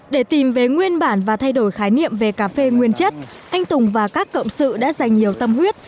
để tìm về nguyên bản và thay đổi khái niệm về cà phê nguyên chất anh tùng và các cộng sự đã dành nhiều tâm huyết